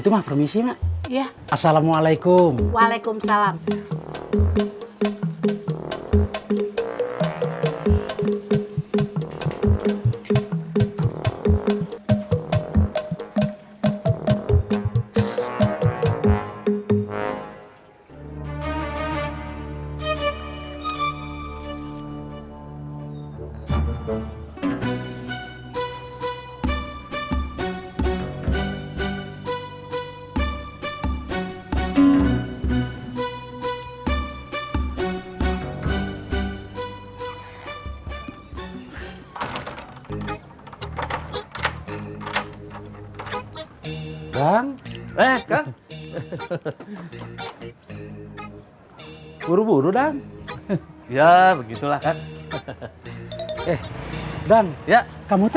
tapi pebli udah telat